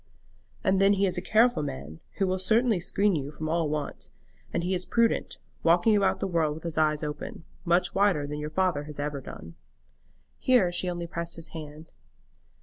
"And then he is a careful man, who will certainly screen you from all want; and he is prudent, walking about the world with his eyes open, much wider than your father has ever done." Here she only pressed his hand.